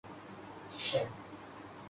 مکمل رپورٹ اس لنک پر پڑھی جا سکتی ہے ۔